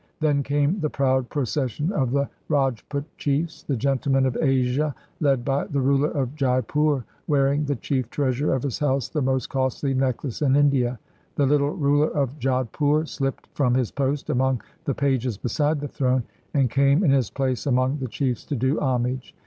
Then came the proud procession of the Rajput chiefs, " the gentlemen of Asia," led by the ruler of Jaipur, wearing the chief treasure of his house, the most costly necklace in India. The httle ruler of Jodh pur sHpped from his post among the pages beside the throne, and came in his place among the chiefs to do homage.